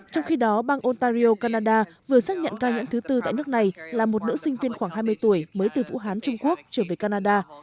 trong khi đó bang ontario canada vừa xác nhận ca nhiễm thứ tư tại nước này là một nữ sinh viên khoảng hai mươi tuổi mới từ vũ hán trung quốc trở về canada